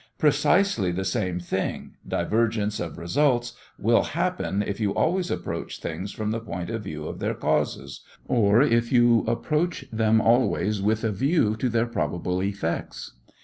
Precisely the same thing, divergence of result, will happen if you always approach things from the point of view of their causes, or if you approach them always with a view to their probable effects.